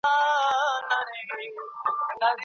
رادیو تر ټولو پخوانۍ او ارزانه رسنۍ ګڼل کیږي.